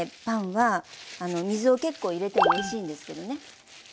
パンは水を結構入れてもおいしいんですけどね。